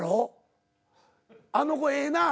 あの子ええな。